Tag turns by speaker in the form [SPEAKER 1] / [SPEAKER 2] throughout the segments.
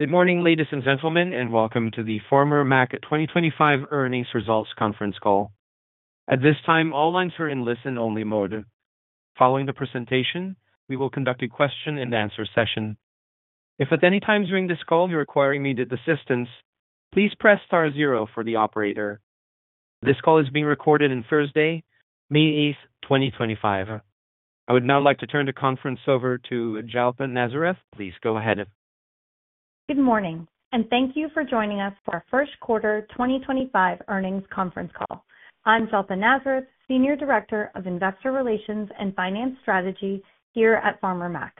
[SPEAKER 1] Good morning, ladies and gentlemen, and welcome to the Farmer Mac 2025 earnings results conference call. At this time, all lines are in listen-only mode. Following the presentation, we will conduct a question-and-answer session. If at any time during this call you require immediate assistance, please press star zero for the operator. This call is being recorded on Thursday, May 8th, 2025. I would now like to turn the conference over to Jalpa Nazareth. Please go ahead.
[SPEAKER 2] Good morning, and thank you for joining us for our first quarter 2025 earnings conference call. I'm Jalpa Nazareth, Senior Director of Investor Relations and Finance Strategy here at Farmer Mac.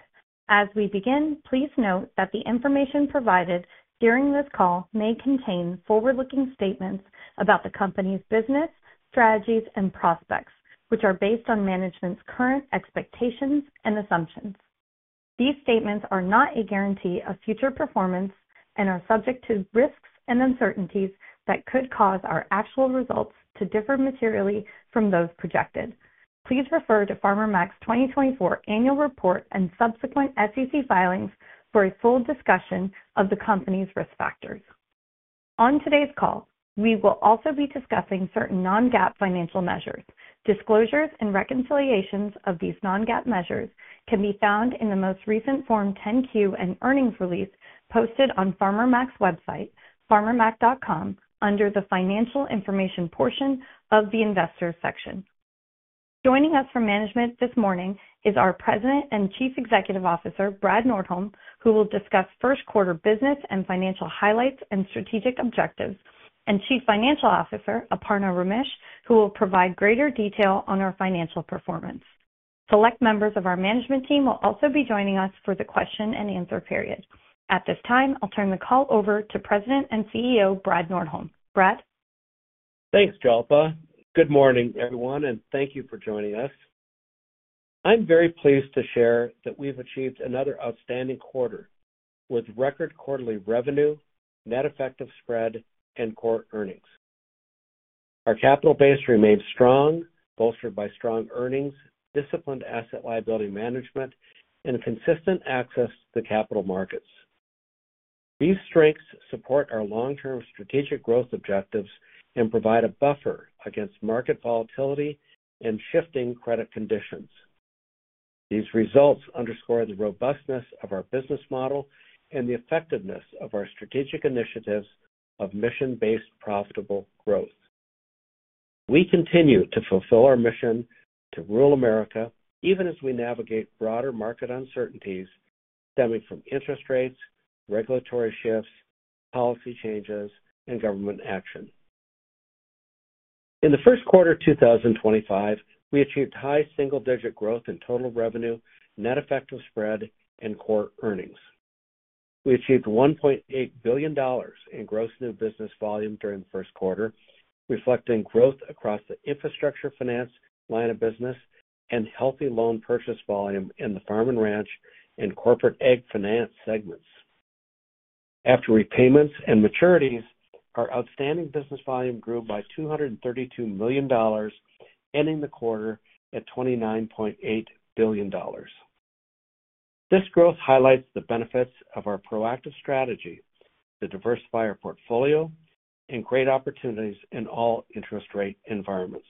[SPEAKER 2] As we begin, please note that the information provided during this call may contain forward-looking statements about the company's business strategies and prospects, which are based on management's current expectations and assumptions. These statements are not a guarantee of future performance and are subject to risks and uncertainties that could cause our actual results to differ materially from those projected. Please refer to Farmer Mac's 2024 annual report and subsequent SEC filings for a full discussion of the company's risk factors. On today's call, we will also be discussing certain non-GAAP financial measures. Disclosures and reconciliations of these non-GAAP measures can be found in the most recent Form 10Q and earnings release posted on Farmer Mac's website, farmermac.com, under the financial information portion of the investors section. Joining us from management this morning is our President and Chief Executive Officer, Brad Nordholm, who will discuss first quarter business and financial highlights and strategic objectives, and Chief Financial Officer, Aparna Ramesh, who will provide greater detail on our financial performance. Select members of our management team will also be joining us for the question and answer period. At this time, I'll turn the call over to President and CEO, Brad Nordholm. Brad.
[SPEAKER 3] Thanks, Jalpa. Good morning, everyone, and thank you for joining us. I'm very pleased to share that we've achieved another outstanding quarter with record quarterly revenue, net effective spread, and core earnings. Our capital base remains strong, bolstered by strong earnings, disciplined asset liability management, and consistent access to the capital markets. These strengths support our long-term strategic growth objectives and provide a buffer against market volatility and shifting credit conditions. These results underscore the robustness of our business model and the effectiveness of our strategic initiatives of mission-based profitable growth. We continue to fulfill our mission to rural America even as we navigate broader market uncertainties stemming from interest rates, regulatory shifts, policy changes, and government action. In the first quarter of 2025, we achieved high single-digit growth in total revenue, net effective spread, and core earnings. We achieved $1.8 billion in gross new business volume during the first quarter, reflecting growth across the infrastructure finance line of business and healthy loan purchase volume in the farm and ranch and corporate ag finance segments. After repayments and maturities, our outstanding business volume grew by $232 million, ending the quarter at $29.8 billion. This growth highlights the benefits of our proactive strategy to diversify our portfolio and create opportunities in all interest rate environments.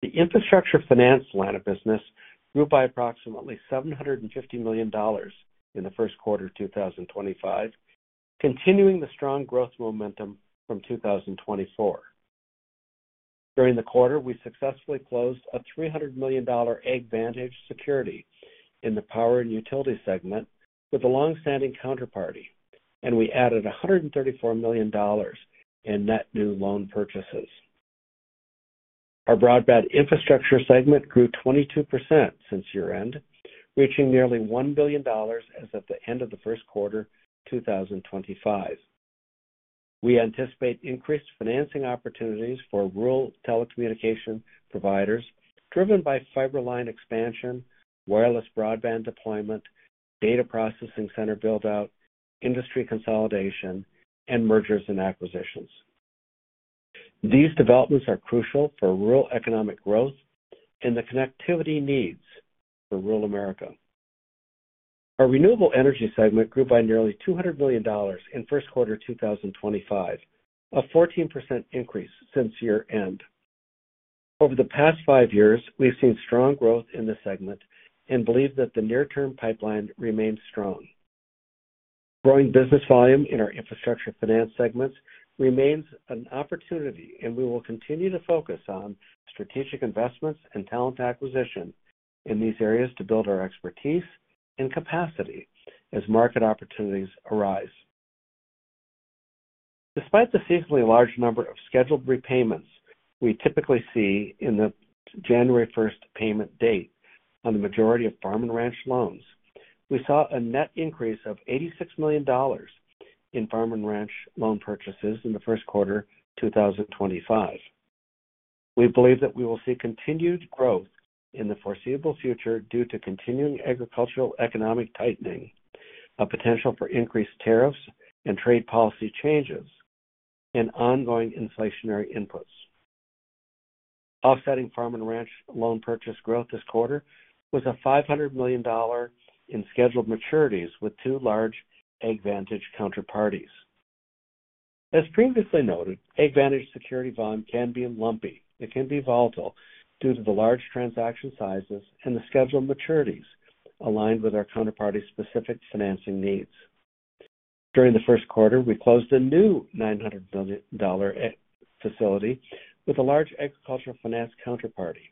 [SPEAKER 3] The infrastructure finance line of business grew by approximately $750 million in the first quarter of 2025, continuing the strong growth momentum from 2024. During the quarter, we successfully closed a $300 million AgVantage security in the power and utility segment with a long-standing counterparty, and we added $134 million in net new loan purchases. Our broadband infrastructure segment grew 22% since year-end, reaching nearly $1 billion as of the end of the first quarter of 2025. We anticipate increased financing opportunities for rural telecommunication providers driven by fiber line expansion, wireless broadband deployment, data processing center build-out, industry consolidation, and mergers and acquisitions. These developments are crucial for rural economic growth and the connectivity needs for rural America. Our renewable energy segment grew by nearly $200 million in first quarter of 2025, a 14% increase since year-end. Over the past five years, we've seen strong growth in the segment and believe that the near-term pipeline remains strong. Growing business volume in our infrastructure finance segments remains an opportunity, and we will continue to focus on strategic investments and talent acquisition in these areas to build our expertise and capacity as market opportunities arise. Despite the seasonally large number of scheduled repayments we typically see in the January 1st payment date on the majority of farm and ranch loans, we saw a net increase of $86 million in farm and ranch loan purchases in the first quarter of 2025. We believe that we will see continued growth in the foreseeable future due to continuing agricultural economic tightening, a potential for increased tariffs and trade policy changes, and ongoing inflationary inputs. Offsetting farm and ranch loan purchase growth this quarter was $500 million in scheduled maturities with two large AgVantage counterparties. As previously noted, AgVantage security volume can be lumpy. It can be volatile due to the large transaction sizes and the scheduled maturities aligned with our counterparty's specific financing needs. During the first quarter, we closed a new $900 million facility with a large agricultural finance counterparty,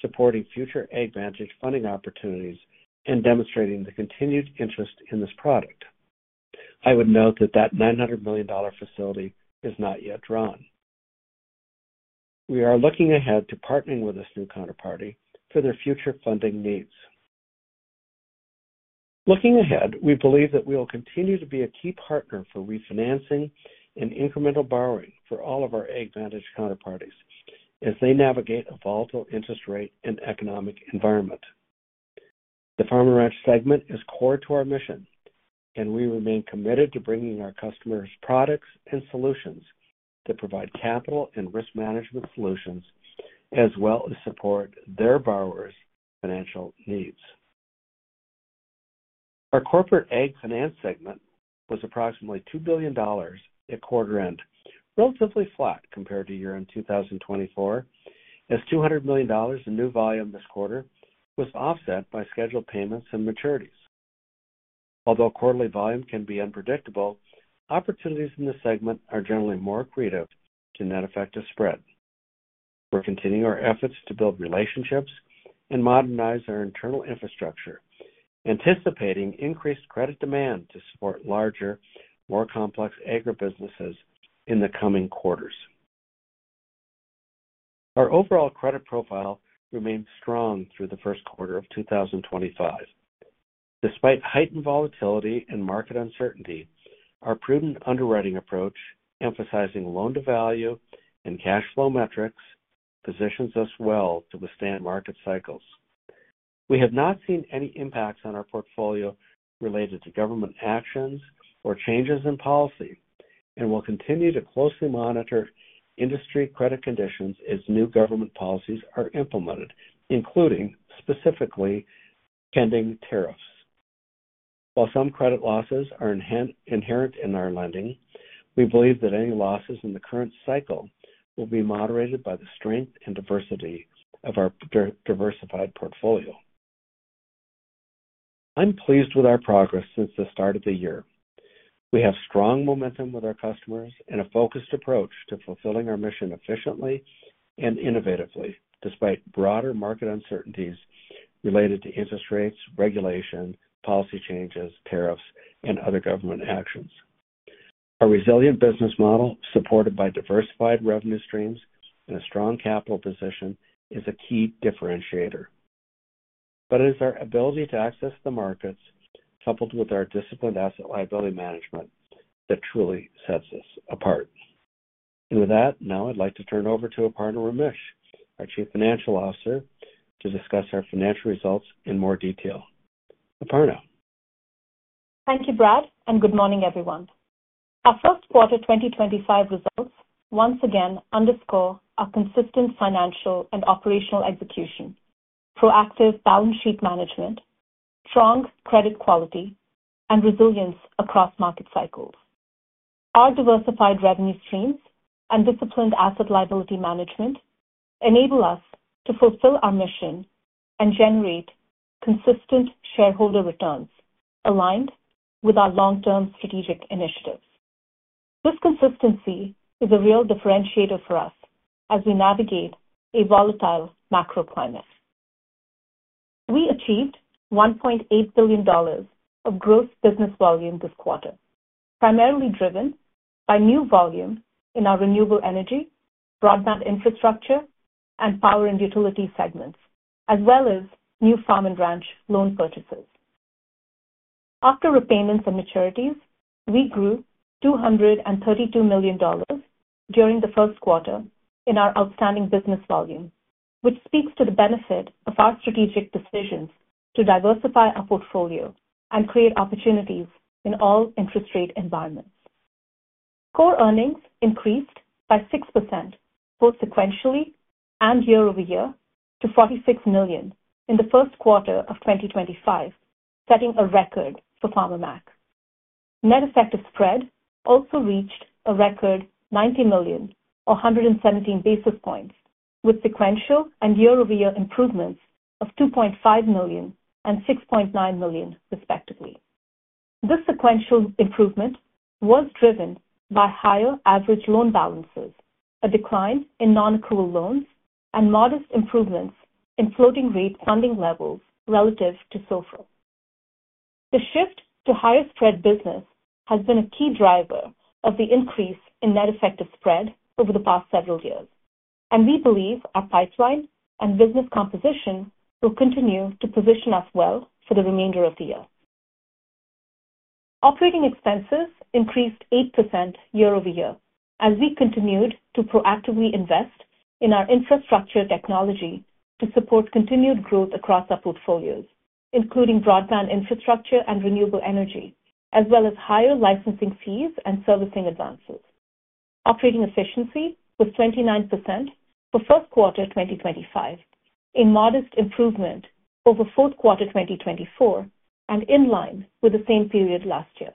[SPEAKER 3] supporting future AgVantage funding opportunities and demonstrating the continued interest in this product. I would note that that $900 million facility is not yet drawn. We are looking ahead to partnering with this new counterparty for their future funding needs. Looking ahead, we believe that we will continue to be a key partner for refinancing and incremental borrowing for all of our AgVantage counterparties as they navigate a volatile interest rate and economic environment. The farm and ranch segment is core to our mission, and we remain committed to bringing our customers products and solutions that provide capital and risk management solutions, as well as support their borrowers' financial needs. Our corporate egg finance segment was approximately $2 billion at quarter-end, relatively flat compared to year-end 2024, as $200 million in new volume this quarter was offset by scheduled payments and maturities. Although quarterly volume can be unpredictable, opportunities in this segment are generally more creative to net effective spread. We're continuing our efforts to build relationships and modernize our internal infrastructure, anticipating increased credit demand to support larger, more complex agribusinesses in the coming quarters. Our overall credit profile remained strong through the first quarter of 2025. Despite heightened volatility and market uncertainty, our prudent underwriting approach, emphasizing loan-to-value and cash flow metrics, positions us well to withstand market cycles. We have not seen any impacts on our portfolio related to government actions or changes in policy, and we'll continue to closely monitor industry credit conditions as new government policies are implemented, including specifically pending tariffs. While some credit losses are inherent in our lending, we believe that any losses in the current cycle will be moderated by the strength and diversity of our diversified portfolio. I'm pleased with our progress since the start of the year. We have strong momentum with our customers and a focused approach to fulfilling our mission efficiently and innovatively, despite broader market uncertainties related to interest rates, regulation, policy changes, tariffs, and other government actions. Our resilient business model, supported by diversified revenue streams and a strong capital position, is a key differentiator. It is our ability to access the markets, coupled with our disciplined asset liability management, that truly sets us apart. With that, now I'd like to turn it over to Aparna Ramesh, our Chief Financial Officer, to discuss our financial results in more detail. Aparna.
[SPEAKER 4] Thank you, Brad, and good morning, everyone. Our first quarter 2025 results once again underscore our consistent financial and operational execution, proactive balance sheet management, strong credit quality, and resilience across market cycles. Our diversified revenue streams and disciplined asset liability management enable us to fulfill our mission and generate consistent shareholder returns aligned with our long-term strategic initiatives. This consistency is a real differentiator for us as we navigate a volatile macroclimate. We achieved $1.8 billion of gross business volume this quarter, primarily driven by new volume in our renewable energy, broadband infrastructure, and power and utility segments, as well as new farm and ranch loan purchases. After repayments and maturities, we grew $232 million during the first quarter in our outstanding business volume, which speaks to the benefit of our strategic decisions to diversify our portfolio and create opportunities in all interest rate environments. Core earnings increased by 6% both sequentially and year-over-year to $46 million in the first quarter of 2025, setting a record for Farmer Mac. Net effective spread also reached a record $90 million or 117 basis points, with sequential and year-over-year improvements of $2.5 million and $6.9 million, respectively. This sequential improvement was driven by higher average loan balances, a decline in non-accrual loans, and modest improvements in floating rate funding levels relative to SOFR. The shift to higher spread business has been a key driver of the increase in net effective spread over the past several years, and we believe our pipeline and business composition will continue to position us well for the remainder of the year. Operating expenses increased 8% year-over-year as we continued to proactively invest in our infrastructure technology to support continued growth across our portfolios, including broadband infrastructure and renewable energy, as well as higher licensing fees and servicing advances. Operating efficiency was 29% for first quarter 2025, a modest improvement over fourth quarter 2024, and in line with the same period last year.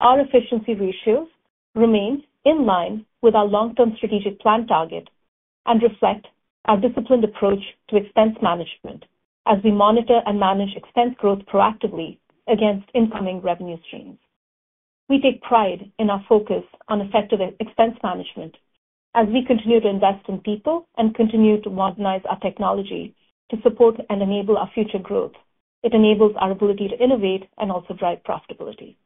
[SPEAKER 4] Our efficiency ratios remain in line with our long-term strategic plan target and reflect our disciplined approach to expense management as we monitor and manage expense growth proactively against incoming revenue streams. We take pride in our focus on effective expense management as we continue to invest in people and continue to modernize our technology to support and enable our future growth. It enables our ability to innovate and also drive profitability.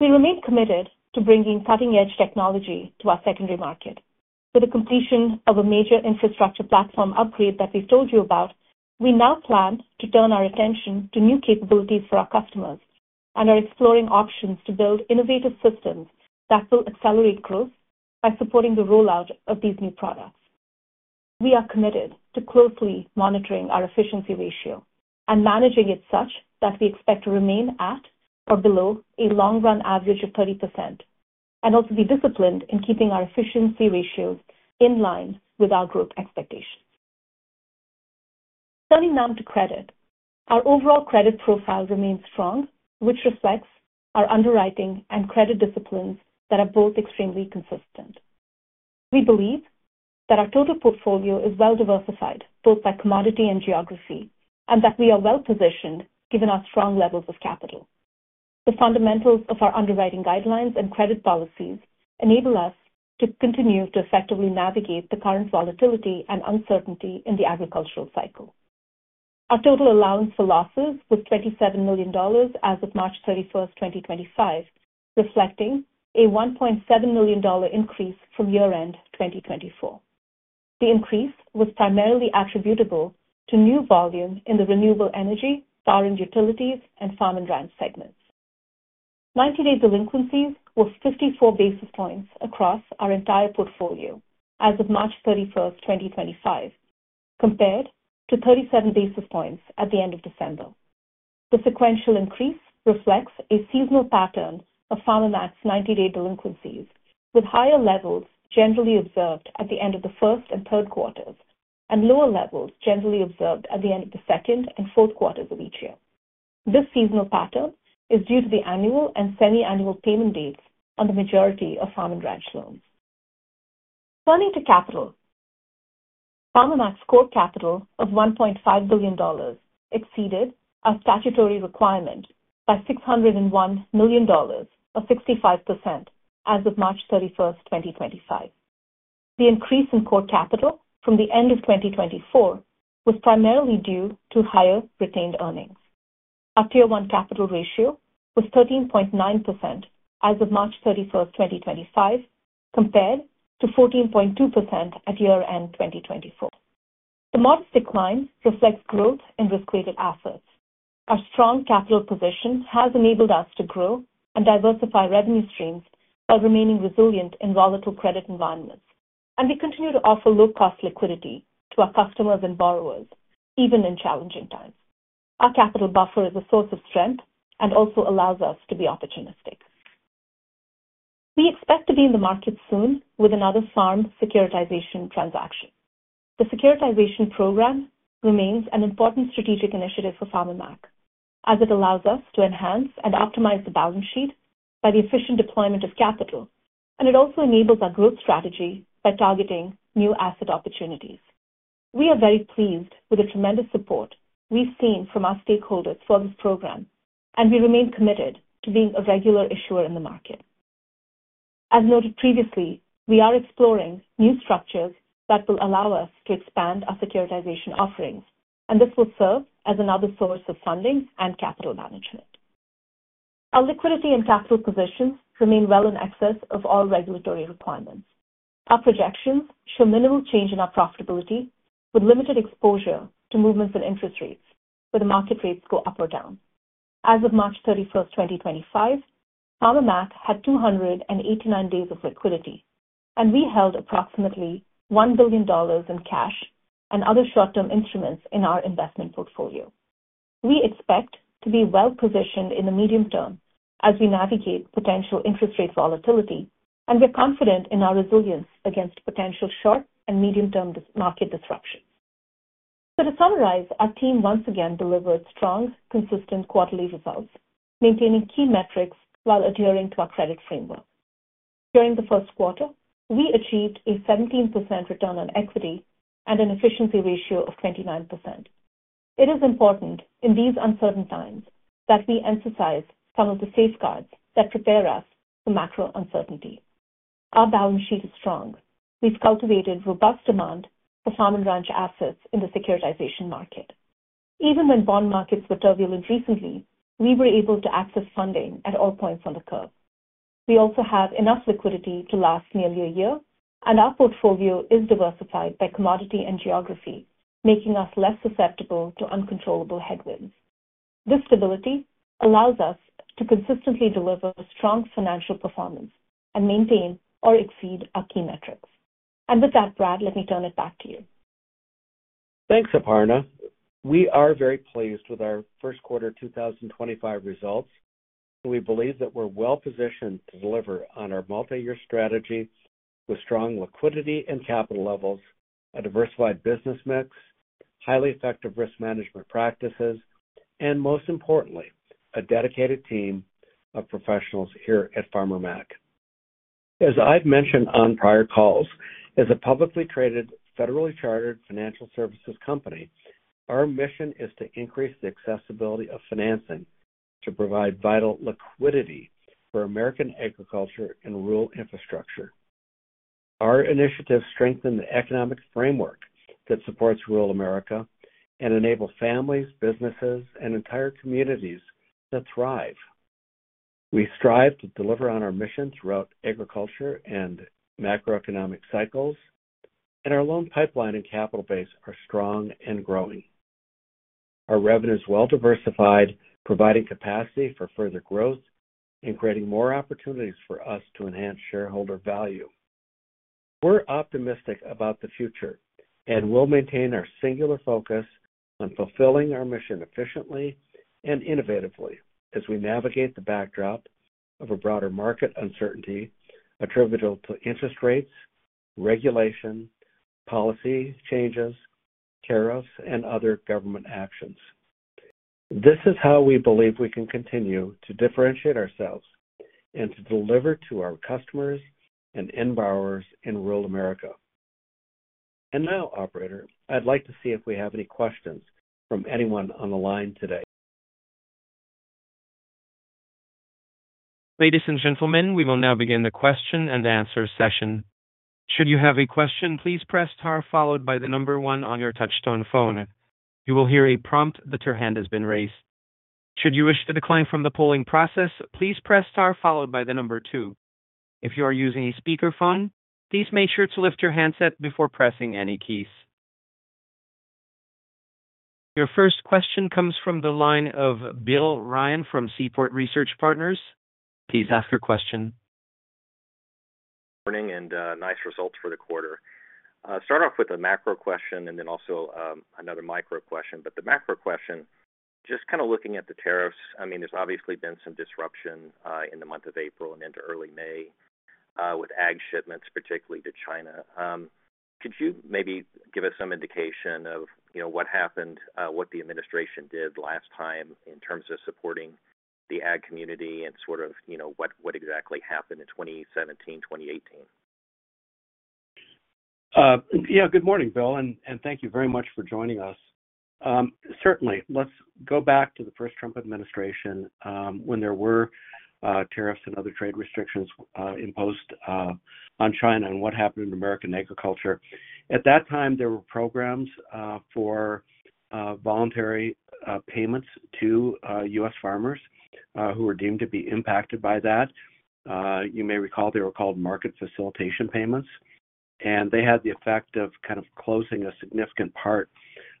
[SPEAKER 4] We remain committed to bringing cutting-edge technology to our secondary market. With the completion of a major infrastructure platform upgrade that we've told you about, we now plan to turn our attention to new capabilities for our customers and are exploring options to build innovative systems that will accelerate growth by supporting the rollout of these new products. We are committed to closely monitoring our efficiency ratio and managing it such that we expect to remain at or below a long-run average of 30%, and also be disciplined in keeping our efficiency ratios in line with our growth expectations. Turning now to credit, our overall credit profile remains strong, which reflects our underwriting and credit disciplines that are both extremely consistent. We believe that our total portfolio is well-diversified both by commodity and geography, and that we are well-positioned given our strong levels of capital. The fundamentals of our underwriting guidelines and credit policies enable us to continue to effectively navigate the current volatility and uncertainty in the agricultural cycle. Our total allowance for losses was $27 million as of March 31, 2025, reflecting a $1.7 million increase from year-end 2024. The increase was primarily attributable to new volume in the renewable energy, power and utilities, and farm and ranch segments. 90-day delinquencies were 54 basis points across our entire portfolio as of March 31, 2025, compared to 37 basis points at the end of December. The sequential increase reflects a seasonal pattern of Farmer Mac 90-day delinquencies, with higher levels generally observed at the end of the first and third quarters and lower levels generally observed at the end of the second and fourth quarters of each year. This seasonal pattern is due to the annual and semiannual payment dates on the majority of farm and ranch loans. Turning to capital, Farmer Mac's core capital of $1.5 billion exceeded our statutory requirement by $601 million, or 65%, as of March 31, 2025. The increase in core capital from the end of 2024 was primarily due to higher retained earnings. Our tier-one capital ratio was 13.9% as of March 31, 2025, compared to 14.2% at year-end 2024. The modest decline reflects growth in risk-weighted assets. Our strong capital position has enabled us to grow and diversify revenue streams while remaining resilient in volatile credit environments, and we continue to offer low-cost liquidity to our customers and borrowers, even in challenging times. Our capital buffer is a source of strength and also allows us to be opportunistic. We expect to be in the market soon with another farm securitization transaction. The securitization program remains an important strategic initiative for Farmer Mac, as it allows us to enhance and optimize the balance sheet by the efficient deployment of capital, and it also enables our growth strategy by targeting new asset opportunities. We are very pleased with the tremendous support we've seen from our stakeholders for this program, and we remain committed to being a regular issuer in the market. As noted previously, we are exploring new structures that will allow us to expand our securitization offerings, and this will serve as another source of funding and capital management. Our liquidity and capital positions remain well in excess of all regulatory requirements. Our projections show minimal change in our profitability with limited exposure to movements in interest rates where the market rates go up or down. As of March 31, 2025, Farmer Mac had 289 days of liquidity, and we held approximately $1 billion in cash and other short-term instruments in our investment portfolio. We expect to be well-positioned in the medium term as we navigate potential interest rate volatility, and we're confident in our resilience against potential short and medium-term market disruptions. To summarize, our team once again delivered strong, consistent quarterly results, maintaining key metrics while adhering to our credit framework. During the first quarter, we achieved a 17% return on equity and an efficiency ratio of 29%. It is important, in these uncertain times, that we emphasize some of the safeguards that prepare us for macro uncertainty. Our balance sheet is strong. We've cultivated robust demand for farm and ranch assets in the securitization market. Even when bond markets were turbulent recently, we were able to access funding at all points on the curve. We also have enough liquidity to last nearly a year, and our portfolio is diversified by commodity and geography, making us less susceptible to uncontrollable headwinds. This stability allows us to consistently deliver strong financial performance and maintain or exceed our key metrics. With that, Brad, let me turn it back to you.
[SPEAKER 3] Thanks, Aparna. We are very pleased with our first quarter 2025 results, and we believe that we're well-positioned to deliver on our multi-year strategy with strong liquidity and capital levels, a diversified business mix, highly effective risk management practices, and most importantly, a dedicated team of professionals here at Farmer Mac. As I've mentioned on prior calls, as a publicly traded, federally chartered financial services company, our mission is to increase the accessibility of financing to provide vital liquidity for American agriculture and rural infrastructure. Our initiatives strengthen the economic framework that supports rural America and enable families, businesses, and entire communities to thrive. We strive to deliver on our mission throughout agriculture and macroeconomic cycles, and our loan pipeline and capital base are strong and growing. Our revenue is well-diversified, providing capacity for further growth and creating more opportunities for us to enhance shareholder value. We're optimistic about the future and will maintain our singular focus on fulfilling our mission efficiently and innovatively as we navigate the backdrop of a broader market uncertainty attributable to interest rates, regulation, policy changes, tariffs, and other government actions. This is how we believe we can continue to differentiate ourselves and to deliver to our customers and end borrowers in rural America. Now, Operator, I'd like to see if we have any questions from anyone on the line today.
[SPEAKER 1] Ladies and gentlemen, we will now begin the question and answer session. Should you have a question, please press * followed by the number 1 on your touchstone phone. You will hear a prompt that your hand has been raised. Should you wish to decline from the polling process, please press * followed by the number 2. If you are using a speakerphone, please make sure to lift your handset before pressing any keys. Your first question comes from the line of Bill Ryan from Seaport Research Partners. Please ask your question.
[SPEAKER 5] Good morning and nice results for the quarter. Start off with a macro question and then also another micro question. The macro question, just kind of looking at the tariffs, I mean, there's obviously been some disruption in the month of April and into early May with ag shipments, particularly to China. Could you maybe give us some indication of what happened, what the administration did last time in terms of supporting the ag community and sort of what exactly happened in 2017, 2018?
[SPEAKER 3] Yeah, good morning, Bill, and thank you very much for joining us. Certainly, let's go back to the first Trump administration when there were tariffs and other trade restrictions imposed on China and what happened in American agriculture. At that time, there were programs for voluntary payments to U.S. farmers who were deemed to be impacted by that. You may recall they were called market facilitation payments, and they had the effect of kind of closing a significant part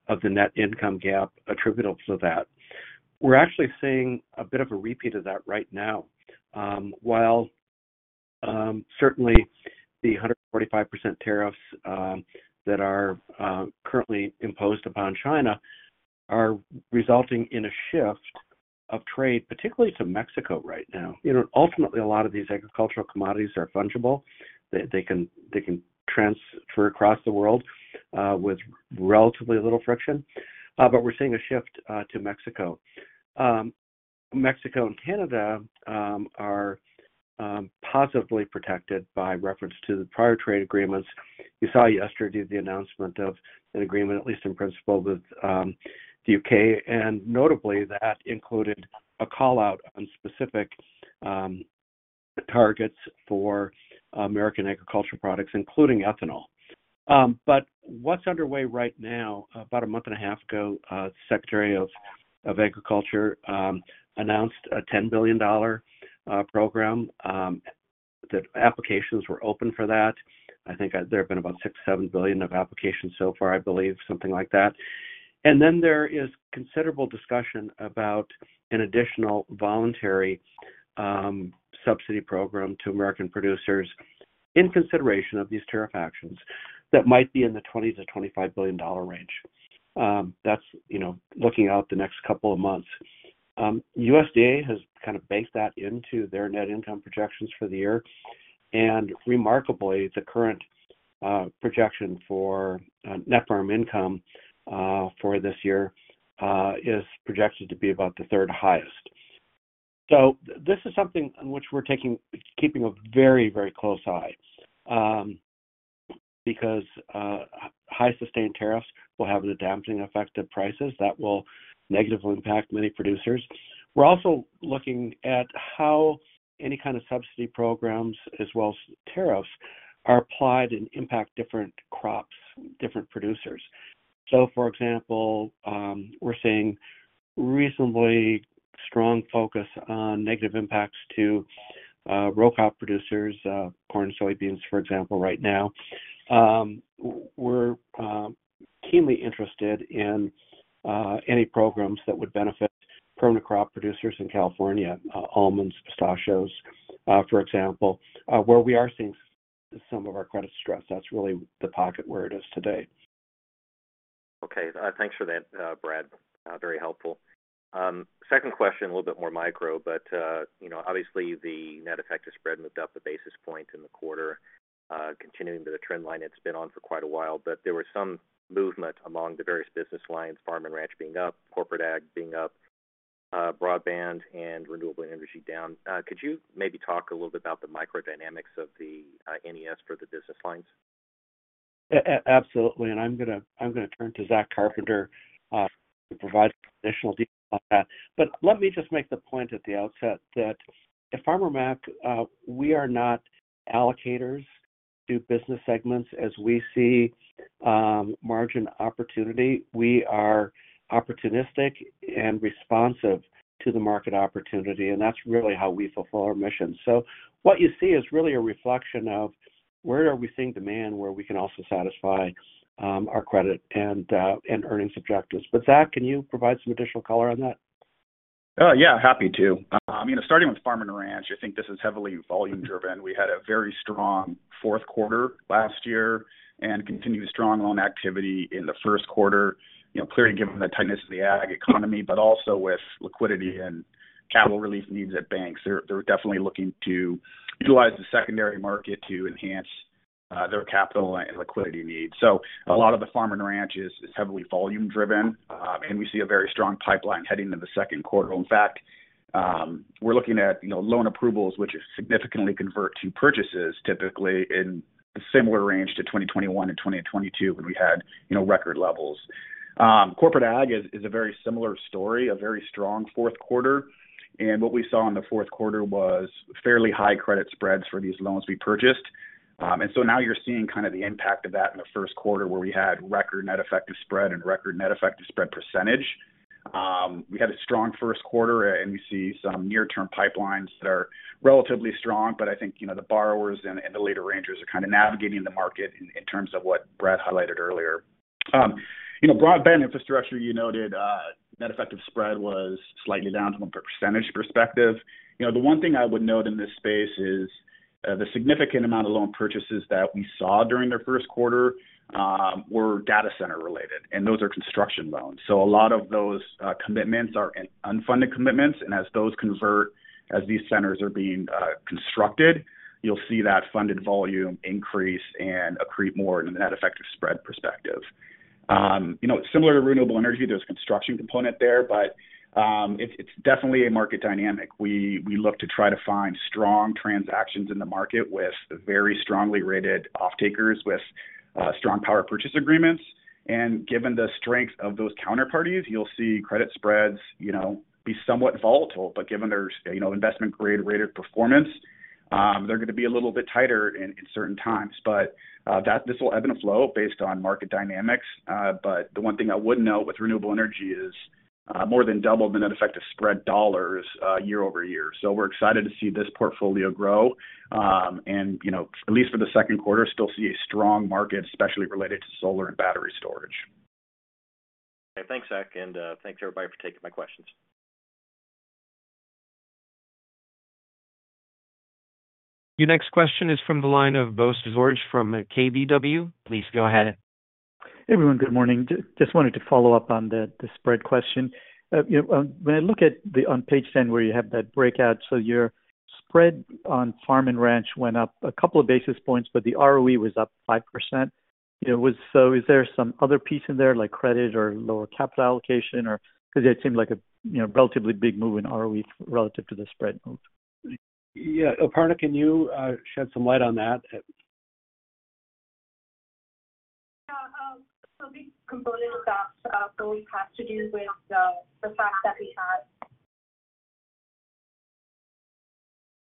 [SPEAKER 3] of the net income gap attributable to that. We're actually seeing a bit of a repeat of that right now. While certainly the 145% tariffs that are currently imposed upon China are resulting in a shift of trade, particularly to Mexico right now. Ultimately, a lot of these agricultural commodities are fungible. They can transfer across the world with relatively little friction, but we're seeing a shift to Mexico. Mexico and Canada are positively protected by reference to the prior trade agreements. We saw yesterday the announcement of an agreement, at least in principle, with the U.K., and notably, that included a callout on specific targets for American agricultural products, including ethanol. What's underway right now, about a month and a half ago, the Secretary of Agriculture announced a $10 billion program. The applications were open for that. I think there have been about $6 billion-$7 billion of applications so far, I believe, something like that. There is considerable discussion about an additional voluntary subsidy program to American producers in consideration of these tariff actions that might be in the $20 billion-$25 billion range. That's looking out the next couple of months. USDA has kind of baked that into their net income projections for the year, and remarkably, the current projection for net farm income for this year is projected to be about the third highest. This is something on which we're keeping a very, very close eye because high sustained tariffs will have a damaging effect on prices that will negatively impact many producers. We're also looking at how any kind of subsidy programs, as well as tariffs, are applied and impact different crops, different producers. For example, we're seeing reasonably strong focus on negative impacts to row crop producers, corn, soybeans, for example, right now. We're keenly interested in any programs that would benefit perma crop producers in California, almonds, pistachios, for example, where we are seeing some of our credit stress. That's really the pocket where it is today.
[SPEAKER 5] Okay. Thanks for that, Brad. Very helpful. Second question, a little bit more micro, but obviously, the net effective spread had moved up a basis point in the quarter, continuing the trend line it's been on for quite a while. There was some movement among the various business lines, farm and ranch being up, corporate ag being up, broadband and renewable energy down. Could you maybe talk a little bit about the microdynamics of the NES for the business lines?
[SPEAKER 3] Absolutely. I am going to turn to Zach Carpenter to provide additional detail on that. Let me just make the point at the outset that at Farmer Mac, we are not allocators to business segments as we see margin opportunity. We are opportunistic and responsive to the market opportunity, and that is really how we fulfill our mission. What you see is really a reflection of where we are seeing demand where we can also satisfy our credit and earnings objectives. Zach, can you provide some additional color on that?
[SPEAKER 5] Yeah, happy to. Starting with farm and ranch, I think this is heavily volume-driven. We had a very strong fourth quarter last year and continued strong loan activity in the first quarter, clearly given the tightness of the ag economy, but also with liquidity and capital relief needs at banks. They're definitely looking to utilize the secondary market to enhance their capital and liquidity needs. A lot of the farm and ranch is heavily volume-driven, and we see a very strong pipeline heading into the second quarter. In fact, we're looking at loan approvals, which significantly convert to purchases, typically in a similar range to 2021 and 2022 when we had record levels. Corporate ag is a very similar story, a very strong fourth quarter. What we saw in the fourth quarter was fairly high credit spreads for these loans we purchased. You are seeing kind of the impact of that in the first quarter where we had record net effective spread and record net effective spread percentage. We had a strong first quarter, and we see some near-term pipelines that are relatively strong, but I think the borrowers and the later rangers are kind of navigating the market in terms of what Brad highlighted earlier. Broadband infrastructure, you noted net effective spread was slightly down from a % perspective. The one thing I would note in this space is the significant amount of loan purchases that we saw during the first quarter were data center related, and those are construction loans. A lot of those commitments are unfunded commitments, and as those convert, as these centers are being constructed, you will see that funded volume increase and accrete more in the net effective spread perspective. Similar to renewable energy, there's a construction component there, but it's definitely a market dynamic. We look to try to find strong transactions in the market with very strongly rated off-takers with strong power purchase agreements. Given the strength of those counterparties, you'll see credit spreads be somewhat volatile, but given their investment-grade rated performance, they're going to be a little bit tighter in certain times. This will ebb and flow based on market dynamics. The one thing I would note with renewable energy is more than double the net effective spread dollars year-over-year. We're excited to see this portfolio grow, and at least for the second quarter, still see a strong market, especially related to solar and battery storage. Okay. Thanks, Zach, and thanks everybody for taking my questions.
[SPEAKER 1] Your next question is from the line of Bose George from KBW. Please go ahead.
[SPEAKER 6] Everyone, good morning. Just wanted to follow up on the spread question. When I look at the on page 10 where you have that breakout, your spread on farm and ranch went up a couple of basis points, but the ROE was up 5%. Is there some other piece in there, like credit or lower capital allocation, or because it seemed like a relatively big move in ROE relative to the spread move?
[SPEAKER 3] Yeah. Aparna, can you shed some light on that?
[SPEAKER 4] Yeah. So the big component of that probably has to do with the fact that we had.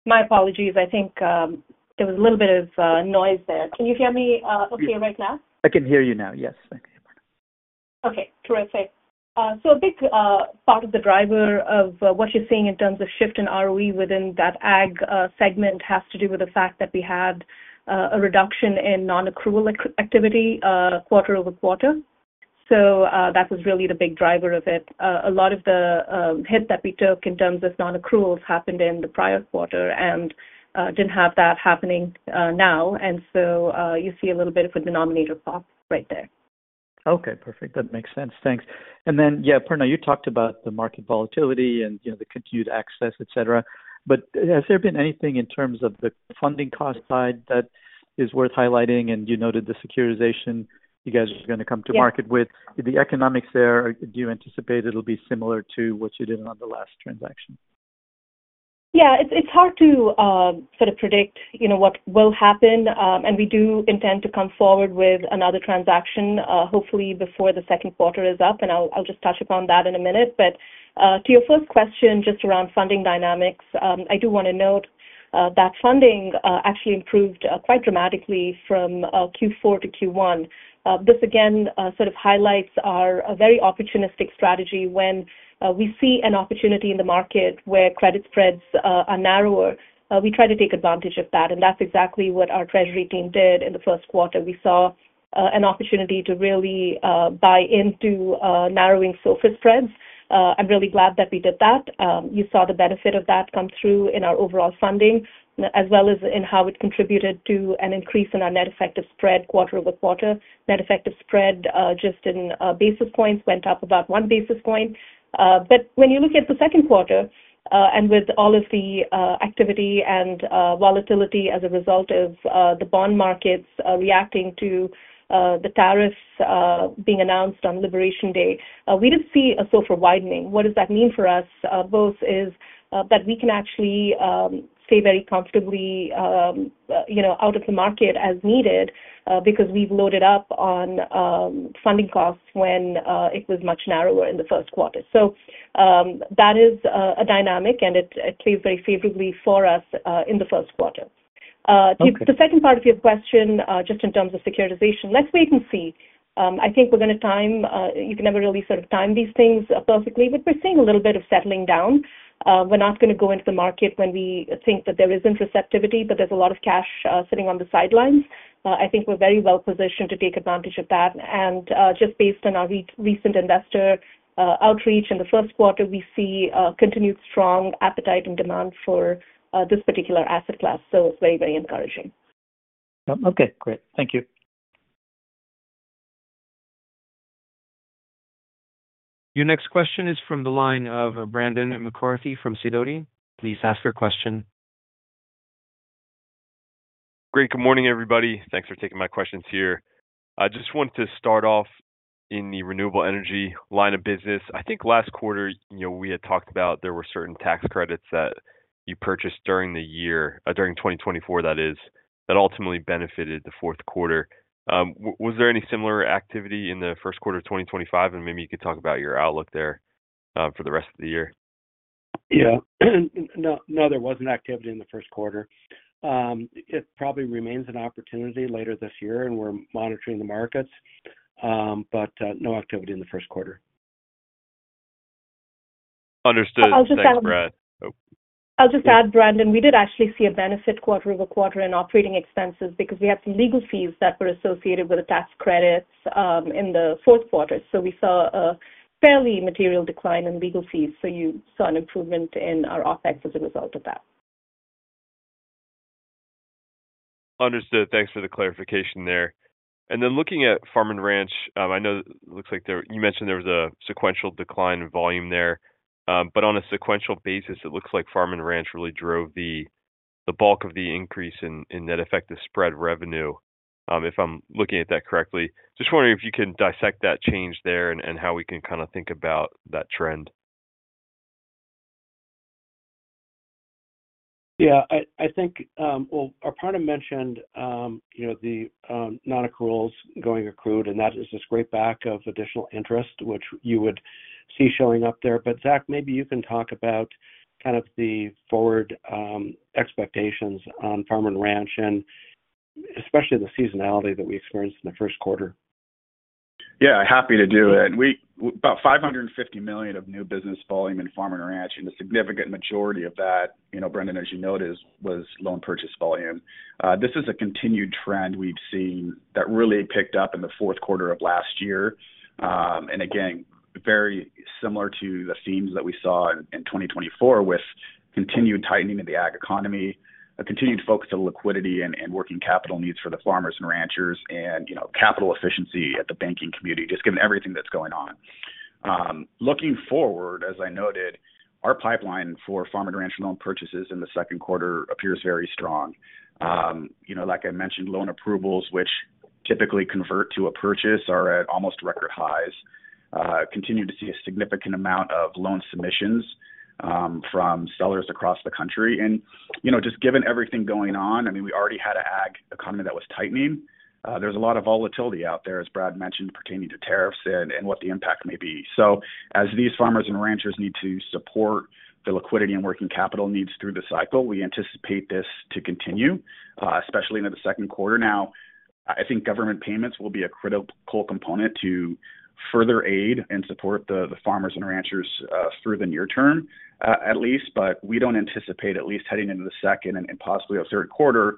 [SPEAKER 4] My apologies. I think there was a little bit of noise there. Can you hear me okay right now?
[SPEAKER 6] I can hear you now. Yes.
[SPEAKER 4] Okay. Terrific. A big part of the driver of what you're seeing in terms of shift in ROE within that ag segment has to do with the fact that we had a reduction in non-accrual activity quarter over quarter. That was really the big driver of it. A lot of the hit that we took in terms of non-accruals happened in the prior quarter and did not have that happening now. You see a little bit of a denominator pop right there.
[SPEAKER 6] Okay. Perfect. That makes sense. Thanks. Yeah, Aparna, you talked about the market volatility and the continued access, etc. Has there been anything in terms of the funding cost side that is worth highlighting? You noted the securitization you guys are going to come to market with. The economics there, do you anticipate it'll be similar to what you did on the last transaction?
[SPEAKER 4] Yeah. It's hard to sort of predict what will happen, and we do intend to come forward with another transaction, hopefully before the second quarter is up, and I'll just touch upon that in a minute. To your first question, just around funding dynamics, I do want to note that funding actually improved quite dramatically from Q4 to Q1. This, again, sort of highlights our very opportunistic strategy. When we see an opportunity in the market where credit spreads are narrower, we try to take advantage of that, and that's exactly what our treasury team did in the first quarter. We saw an opportunity to really buy into narrowing SOFR spreads. I'm really glad that we did that. You saw the benefit of that come through in our overall funding, as well as in how it contributed to an increase in our net effective spread quarter over quarter. Net effective spread just in basis points went up about one basis point. When you look at the second quarter, and with all of the activity and volatility as a result of the bond markets reacting to the tariffs being announced on Liberation Day, we did not see a SOFR widening. What does that mean for us? Both is that we can actually stay very comfortably out of the market as needed because we have loaded up on funding costs when it was much narrower in the first quarter. That is a dynamic, and it plays very favorably for us in the first quarter. The second part of your question, just in terms of securitization, let's wait and see. I think we are going to time you can never really sort of time these things perfectly, but we are seeing a little bit of settling down. We're not going to go into the market when we think that there isn't receptivity, but there's a lot of cash sitting on the sidelines. I think we're very well positioned to take advantage of that. Just based on our recent investor outreach in the first quarter, we see continued strong appetite and demand for this particular asset class. It is very, very encouraging.
[SPEAKER 6] Okay. Great. Thank you.
[SPEAKER 1] Your next question is from the line of Brandon McCarthy from Sidoti & Company. Please ask your question.
[SPEAKER 7] Great. Good morning, everybody. Thanks for taking my questions here. I just wanted to start off in the renewable energy line of business. I think last quarter, we had talked about there were certain tax credits that you purchased during the year, during 2024, that is, that ultimately benefited the fourth quarter. Was there any similar activity in the first quarter of 2025? Maybe you could talk about your outlook there for the rest of the year.
[SPEAKER 3] Yeah. No, there wasn't activity in the first quarter. It probably remains an opportunity later this year, and we're monitoring the markets, but no activity in the first quarter.
[SPEAKER 7] Understood.
[SPEAKER 4] I'll just add.
[SPEAKER 7] Thanks, Brad.
[SPEAKER 4] I'll just add, Brandon, we did actually see a benefit quarter over quarter in operating expenses because we had some legal fees that were associated with the tax credits in the fourth quarter. We saw a fairly material decline in legal fees. You saw an improvement in our OpEx as a result of that.
[SPEAKER 7] Understood. Thanks for the clarification there. Looking at farm and ranch, I know it looks like you mentioned there was a sequential decline in volume there. On a sequential basis, it looks like farm and ranch really drove the bulk of the increase in net effective spread revenue, if I'm looking at that correctly. Just wondering if you can dissect that change there and how we can kind of think about that trend.
[SPEAKER 3] Yeah. I think, Aparna mentioned the non-accruals going accrued, and that is a scrape back of additional interest, which you would see showing up there. But Zach, maybe you can talk about kind of the forward expectations on farm and ranch, and especially the seasonality that we experienced in the first quarter.
[SPEAKER 5] Yeah. Happy to do it. About $550 million of new business volume in farm and ranch, and a significant majority of that, Brandon, as you noted, was loan purchase volume. This is a continued trend we've seen that really picked up in the fourth quarter of last year. Very similar to the themes that we saw in 2024 with continued tightening of the ag economy, a continued focus on liquidity and working capital needs for the farmers and ranchers, and capital efficiency at the banking community, just given everything that's going on. Looking forward, as I noted, our pipeline for farm and ranch loan purchases in the second quarter appears very strong. Like I mentioned, loan approvals, which typically convert to a purchase, are at almost record highs. Continue to see a significant amount of loan submissions from sellers across the country. Just given everything going on, I mean, we already had an ag economy that was tightening. There is a lot of volatility out there, as Brad mentioned, pertaining to tariffs and what the impact may be. As these farmers and ranchers need to support the liquidity and working capital needs through the cycle, we anticipate this to continue, especially into the second quarter. I think government payments will be a critical component to further aid and support the farmers and ranchers through the near term, at least. We do not anticipate, at least heading into the second and possibly a third quarter,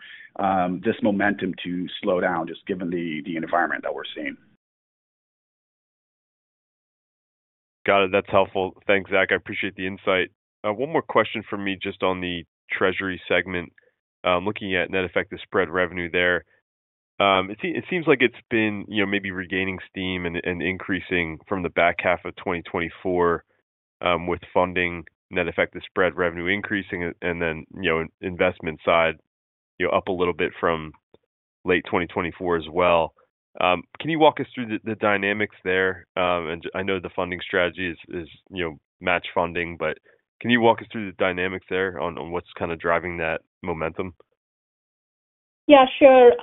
[SPEAKER 5] this momentum to slow down, just given the environment that we are seeing.
[SPEAKER 7] Got it. That's helpful. Thanks, Zach. I appreciate the insight. One more question for me just on the treasury segment. Looking at net effective spread revenue there, it seems like it's been maybe regaining steam and increasing from the back half of 2024 with funding, net effective spread revenue increasing, and then investment side up a little bit from late 2024 as well. Can you walk us through the dynamics there? I know the funding strategy is match funding, but can you walk us through the dynamics there on what's kind of driving that momentum?
[SPEAKER 4] Yeah, sure.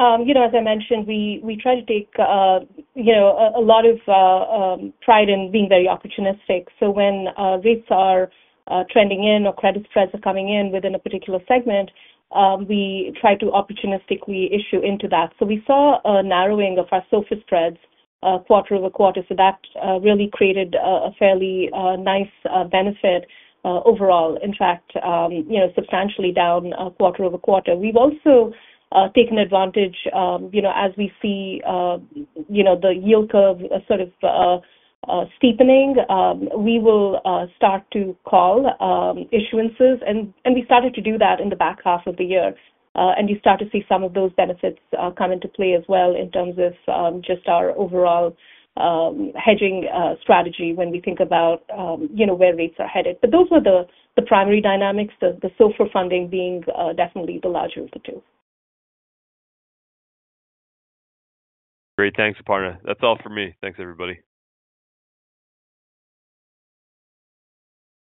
[SPEAKER 4] As I mentioned, we try to take a lot of pride in being very opportunistic. When rates are trending in or credit spreads are coming in within a particular segment, we try to opportunistically issue into that. We saw a narrowing of our SOFR spreads quarter over quarter. That really created a fairly nice benefit overall, in fact, substantially down quarter over quarter. We have also taken advantage as we see the yield curve sort of steepening. We will start to call issuances, and we started to do that in the back half of the year. You start to see some of those benefits come into play as well in terms of just our overall hedging strategy when we think about where rates are headed. Those were the primary dynamics, the SOFR funding being definitely the larger of the two.
[SPEAKER 7] Great. Thanks, Aparna. That's all for me. Thanks, everybody.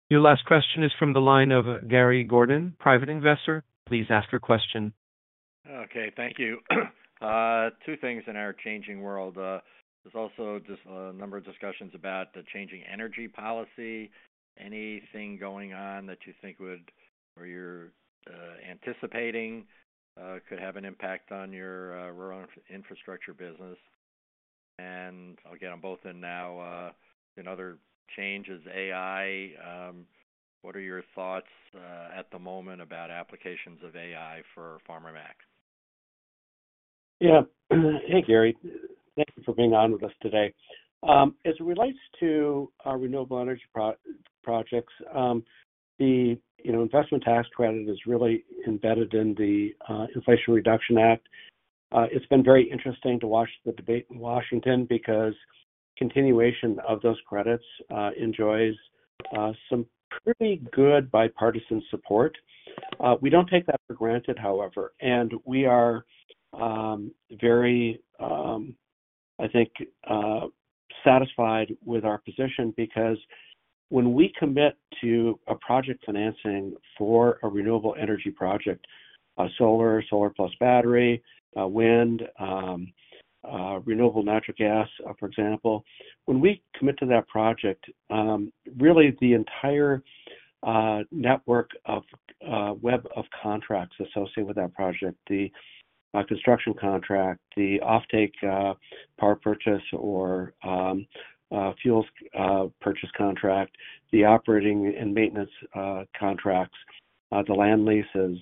[SPEAKER 1] Your last question is from the line of Gary Gordon, private investor. Please ask your question.
[SPEAKER 8] Okay. Thank you. Two things in our changing world. There's also just a number of discussions about the changing energy policy. Anything going on that you think would or you're anticipating could have an impact on your rural infrastructure business? Again, I'm both in now. Another change is AI. What are your thoughts at the moment about applications of AI for Farmer Mac?
[SPEAKER 3] Yeah. Hey, Gary. Thank you for being on with us today. As it relates to our renewable energy projects, the investment tax credit is really embedded in the Inflation Reduction Act. It's been very interesting to watch the debate in Washington because continuation of those credits enjoys some pretty good bipartisan support. We don't take that for granted, however. We are very, I think, satisfied with our position because when we commit to a project financing for a renewable energy project, solar, solar plus battery, wind, renewable natural gas, for example, when we commit to that project, really the entire network or web of contracts associated with that project, the construction contract, the offtake power purchase or fuels purchase contract, the operating and maintenance contracts, the land leases,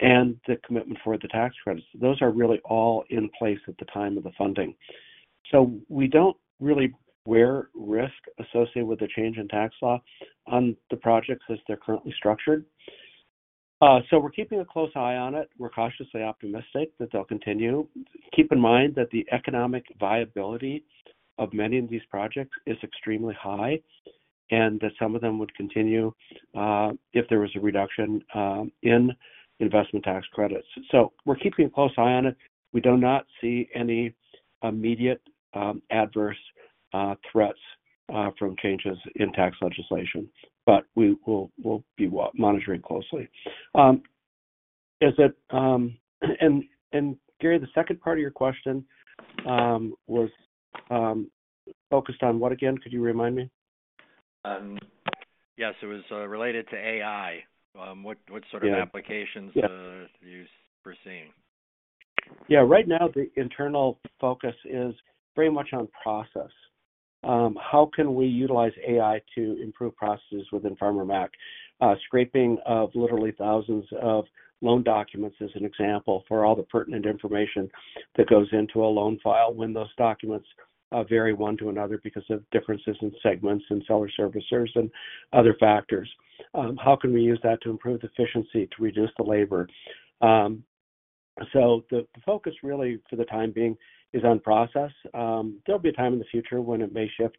[SPEAKER 3] and the commitment for the tax credits, those are really all in place at the time of the funding. We do not really wear risk associated with the change in tax law on the projects as they're currently structured. We are keeping a close eye on it. We are cautiously optimistic that they'll continue. Keep in mind that the economic viability of many of these projects is extremely high and that some of them would continue if there was a reduction in investment tax credits. We are keeping a close eye on it. We do not see any immediate adverse threats from changes in tax legislation, but we will be monitoring closely. Gary, the second part of your question was focused on what again? Could you remind me?
[SPEAKER 8] Yes. It was related to AI. What sort of applications are you foreseeing?
[SPEAKER 3] Yeah. Right now, the internal focus is very much on process. How can we utilize AI to improve processes within Farmer Mac? Scraping of literally thousands of loan documents is an example for all the pertinent information that goes into a loan file when those documents vary one to another because of differences in segments and seller servicers and other factors. How can we use that to improve efficiency, to reduce the labor? The focus really for the time being is on process. There'll be a time in the future when it may shift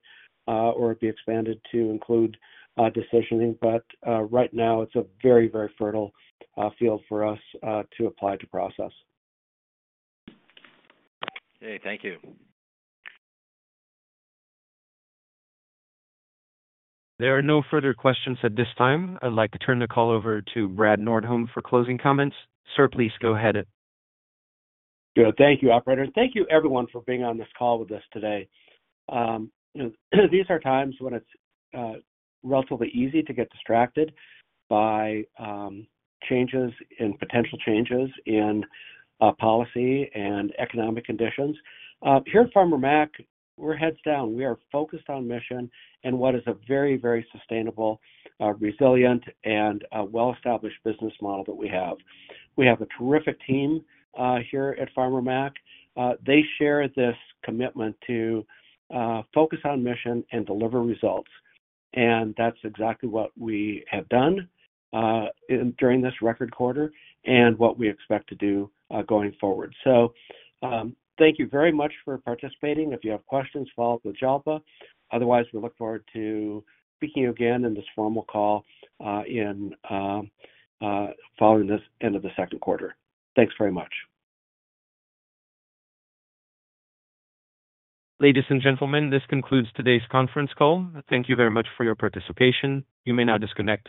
[SPEAKER 3] or be expanded to include decisioning. Right now, it's a very, very fertile field for us to apply to process.
[SPEAKER 8] Okay. Thank you.
[SPEAKER 1] There are no further questions at this time. I'd like to turn the call over to Brad Nordholm for closing comments. Sir, please go ahead.
[SPEAKER 3] Thank you, Operator. Thank you, everyone, for being on this call with us today. These are times when it is relatively easy to get distracted by changes and potential changes in policy and economic conditions. Here at Farmer Mac, we are heads down. We are focused on mission and what is a very, very sustainable, resilient, and well-established business model that we have. We have a terrific team here at Farmer Mac. They share this commitment to focus on mission and deliver results. That is exactly what we have done during this record quarter and what we expect to do going forward. Thank you very much for participating. If you have questions, follow up with Jalpa. Otherwise, we look forward to speaking again in this formal call following the end of the second quarter. Thanks very much.
[SPEAKER 1] Ladies and gentlemen, this concludes today's conference call. Thank you very much for your participation. You may now disconnect.